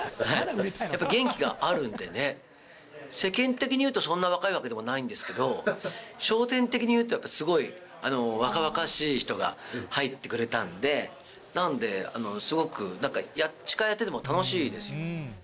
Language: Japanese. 元気があるんでね、世間的にいうと、そんな若いわけでもないんですけど、笑点的に言うと、やっぱりすごい若々しい人が入ってくれたんで、なんで、すごく、なんか、司会やってても楽しいですよ。